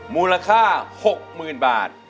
มูลค่า๖หมื่นบาท